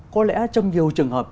có lẽ trong nhiều trường hợp